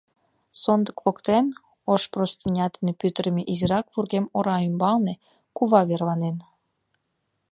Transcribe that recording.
Сондык воктен, ош простыня дене пӱтырымӧ изирак вургем ора ӱмбалне, кува верланен.